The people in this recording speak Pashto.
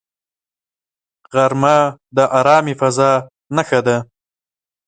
غرمه د آرامې فضاء نښه ده